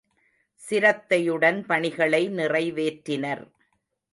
சிரத்தையுடன் பணிகளை நிறைவேற்றினர்.